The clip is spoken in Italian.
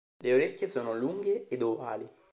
Le orecchie sono lunghe ed ovali.